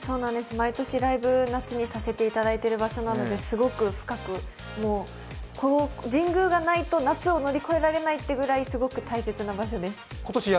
毎年夏にライブさせていただいてる場所なのですごく深くもう、神宮がないと夏を乗り越えられないというぐらいすごく大切な場所です。